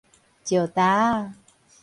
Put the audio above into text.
石礁仔